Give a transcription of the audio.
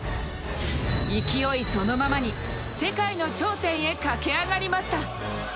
勢いそのままに世界の頂点へ駆け上がりました。